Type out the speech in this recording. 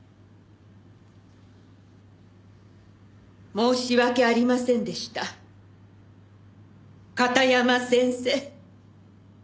申し訳ありませんでした片山先生。